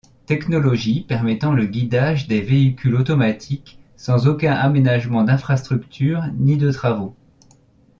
Technologie permettant le guidage des véhicules automatiques, sans aucun aménagement d’infrastructure ni de travaux.